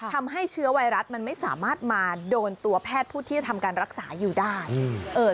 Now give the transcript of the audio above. ทำให้เชื้อไวรัสมันไม่สามารถมาโดนตัวแพทย์ผู้ที่จะทำการรักษาอยู่ได้